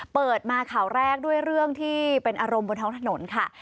เปิดมาข่าวแรกด้วยเรื่องที่เป็นอารมณ์บนท้องถนนค่ะ